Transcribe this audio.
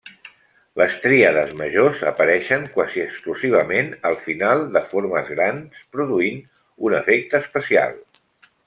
Les tríades majors apareixen quasi exclusivament al final de formes grans, produint un efecte especial.